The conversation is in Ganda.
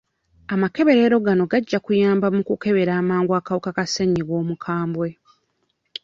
Amakeberero gano gajja kuyamba mu kukebera amangu akawuka ka ssenyiga omukambwe